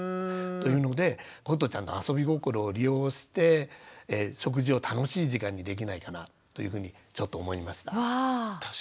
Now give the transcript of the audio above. というのでことちゃんの遊び心を利用して食事を楽しい時間にできないかなというふうにちょっと思いました。